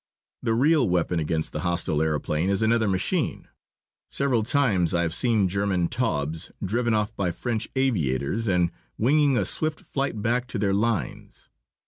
The real weapon against the hostile aeroplane is another machine. Several times I have seen German Taubes driven off by French aviators, and winging a swift flight back to their lines.